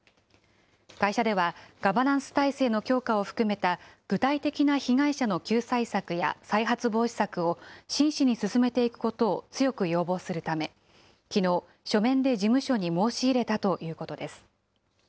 会社では、ガバナンス体制の強化を含めた具体的な被害者の救済策や再発防止策を、真摯に進めていくことを強く要望するため、きのう、書面で事務所に申し入れたということです。